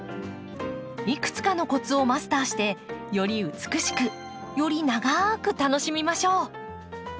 いくつかのコツをマスターしてより美しくより長く楽しみましょう。